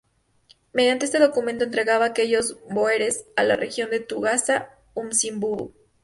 Mediante ese documento, entregaba a aquellos bóeres la región de Tugela-Umzimvubu.